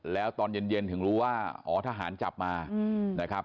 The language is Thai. แล้วตอนเย็นถึงรู้ว่าอ๋อทหารจับมานะครับ